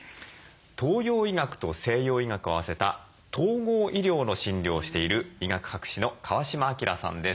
東洋医学と西洋医学を合わせた統合医療の診療をしている医学博士の川嶋朗さんです。